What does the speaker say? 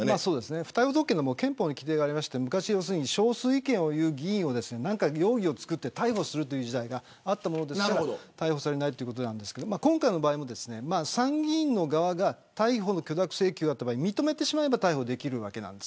不逮捕特権は憲法に規定があって昔、少数意見を言う議員を容疑をつくって逮捕する時代があったものですから逮捕されないということですが今回は参議院の側が逮捕の許諾請求があったとき認めてしまえば逮捕できるわけです。